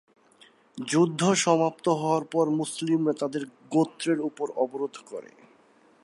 যুদ্ধ সমাপ্ত হওয়ার পর মুসলিমরা তাদের গোত্রের উপর অবরোধ করে।